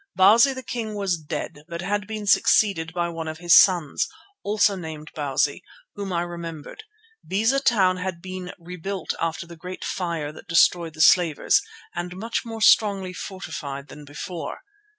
Bausi the king was dead but had been succeeded by one of his sons, also named Bausi, whom I remembered. Beza Town had been rebuilt after the great fire that destroyed the slavers, and much more strongly fortified than before.